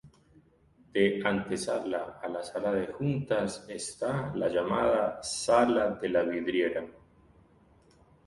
De antesala a la sala de juntas está la llamada "sala de la vidriera".